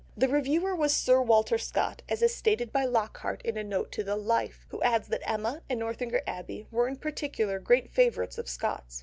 The reviewer was Sir Walter Scott, as is stated by Lockhart in a note to the Life, who adds that Emma and Northanger Abbey were in particular great favourites of Scott's.